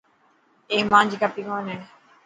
اي مانجي ڪاپي ڪون هي.